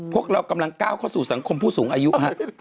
พวกเรากำลังก้าวเข้าสู่สังคมผู้สูงอายุฮะ